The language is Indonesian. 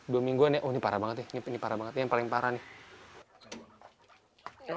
dua mingguan ya oh ini parah banget ya ini yang paling parah nih